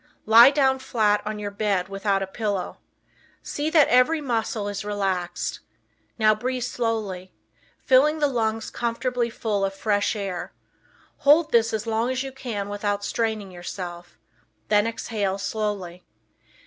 Lie down flat on your bed without a pillow. See that every muscle is relaxed. Now breathe slowly, filling the lungs comfortably full of fresh air; hold this as long as you can without straining yourself; then exhale slowly.